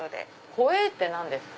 ホエーって何ですか？